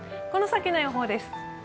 この先の予報です。